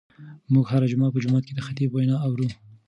موږ هره جمعه په جومات کې د خطیب وینا اورو.